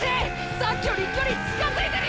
さっきより距離近づいてるよ！！